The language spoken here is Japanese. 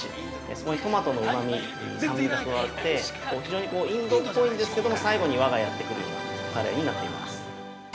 そこにトマトのうまみ酸味が加わって非常にインドっぽいんですけども最後に和がやってくるようなカレーになっています。